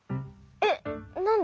えっなんで？